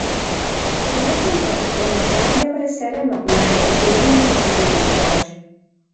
Сурэтым къыббгъурыт щӏалэмрэ сэрэ мэкъумэш академием дыщызэдеджащ.